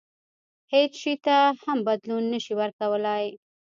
هیڅ شي ته هم بدلون نه شي ورکولای.